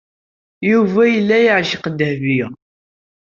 Yuba yella yeɛceq Dahbiya.